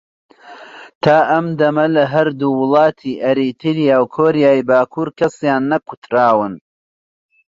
تا ئەم دەمە لە هەردوو وڵاتی ئەریتریا و کۆریای باکوور کەسیان نەکوتراون